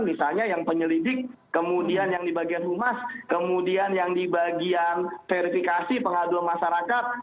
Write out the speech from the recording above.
misalnya yang penyelidik kemudian yang di bagian humas kemudian yang di bagian verifikasi pengaduan masyarakat